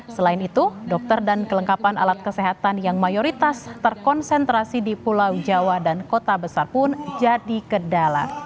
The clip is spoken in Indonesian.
selain itu dokter dan kelengkapan alat kesehatan yang mayoritas terkonsentrasi di pulau jawa dan kota besar pun jadi kendala